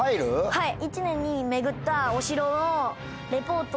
はい！